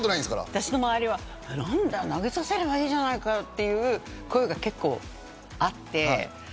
私の周りは投げさせればいいじゃないかという声が結構あって。